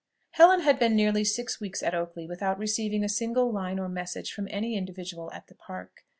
Helen had been nearly six weeks at Oakley without receiving a single line or message from any individual at the Park.